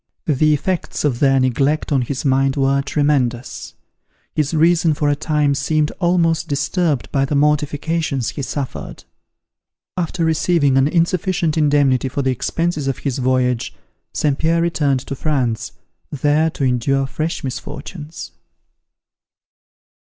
The effects of their neglect on his mind were tremendous; his reason for a time seemed almost disturbed by the mortifications he suffered. After receiving an insufficient indemnity for the expenses of his voyage, St. Pierre returned to France, there to endure fresh misfortunes.